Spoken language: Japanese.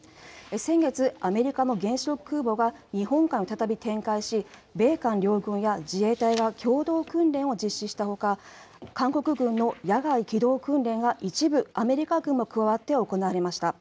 先月、アメリカの原子力空母が日本海に再び展開し米韓両軍や自衛隊が共同訓練を実施したほか韓国軍の野外機動訓練が一部アメリカ軍も加わって行われました。